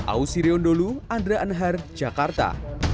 aus sirion dulu andra anhar jakarta